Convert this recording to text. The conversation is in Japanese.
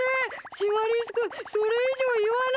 シマリス君それ以上言わないで。